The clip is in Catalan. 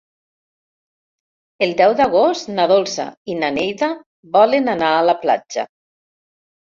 El deu d'agost na Dolça i na Neida volen anar a la platja.